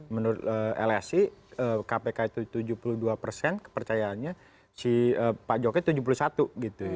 menurut lsi kpk itu tujuh puluh dua persen kepercayaannya si pak jokowi tujuh puluh satu gitu ya